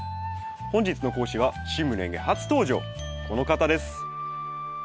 本日の講師は「趣味の園芸」初登場この方です。